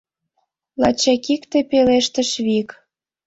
Лачак икте пелештыш вик: